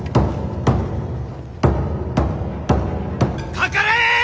かかれ！